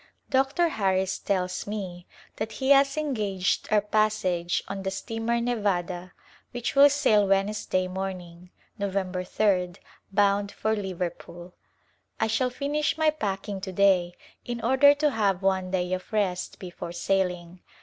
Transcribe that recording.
Dr. Harris tells me that he has engaged our passage on the steamer Nevada which will sail Wednesday morning, November 3d, bound for Liverpool. I shall finish my packing to day in order to have one day of rest before sailing.